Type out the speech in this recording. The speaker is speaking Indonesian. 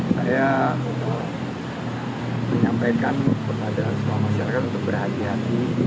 saya menyampaikan kepada semua masyarakat untuk berhati hati